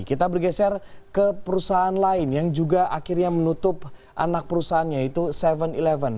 kita bergeser ke perusahaan lain yang juga akhirnya menutup anak perusahaannya yaitu tujuh sebelas